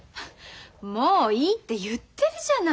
もういいって言ってるじゃない。